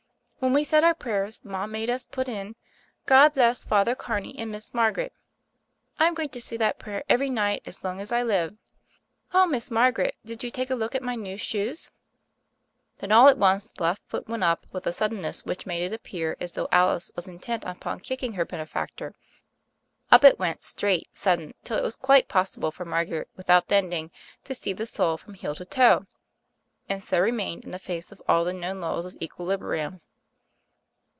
When we said our prayers, ma made us put in, *God bless Father Carney and Miss Margaret.' I'm going to say that prayer every night as long as I live. Oh, Miss Margaret, did you take a look at my new shoes?" Then all at once the left foot went up with a suddenness which made it appear as though Alice was intent upon kicking her benefactor. Up it went straight, sudden, till it was quite possible for IVlargaret without bending to see the sole from heel to toe — and so remained, in the face of all the known laws of equilibrium.